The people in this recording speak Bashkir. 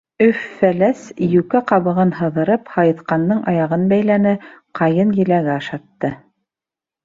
Өф-Фәләс, йүкә ҡабығын һыҙырып, һайыҫҡандың аяғын бәйләне, ҡайын еләге ашатты.